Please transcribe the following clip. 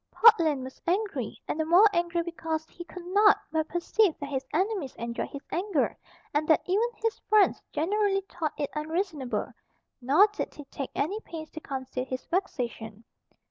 Portland was angry, and the more angry because he could not but perceive that his enemies enjoyed his anger, and that even his friends generally thought it unreasonable; nor did he take any pains to conceal his vexation.